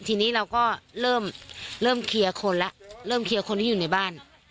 ทีนี้เราก็เริ่มเคลียร์คนแล้วเริ่มเคลียร์คนที่อยู่ในบ้าน